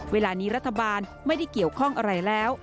เวลานี้รัฐบาลไม่ได้เกี่ยวข้องอะไรแล้ว